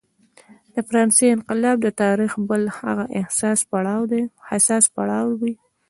د فرانسې انقلاب د تاریخ بل هغه حساس پړاو و.